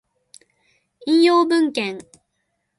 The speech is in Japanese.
引用文献